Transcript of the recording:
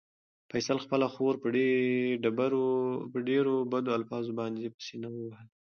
فیصل خپله خور په ډېرو بدو الفاظو باندې په سېنه ووهله.